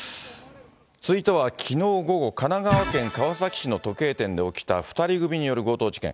続いては、きのう午後、神奈川県川崎市の時計店で起きた２人組による強盗事件。